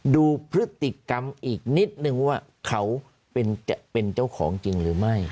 ดูพฤติกรรมอีกนิดนึงว่าเขาจะเป็นเจ้าของจริงหรือไม่